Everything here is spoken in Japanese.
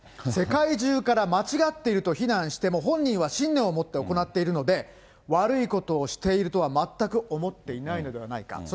世界中から間違っていると非難しても、本人は信念を持って行っているので、悪いことをしているとは全く思っていないのではないか。